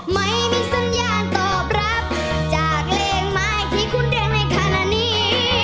ไม่มีสัญญาณตอบรับจากเลขหมายที่คุณแดงในขณะนี้